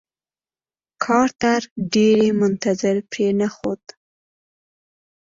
کارتر ډېر منتظر پرې نښود.